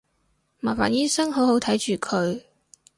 麻煩醫生好好睇住佢